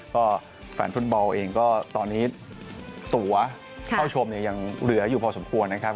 ก็แฟนฟุตบอลเองก็ตอนนี้ตัวเข้าชมเนี่ยยังเหลืออยู่พอสมควรนะครับ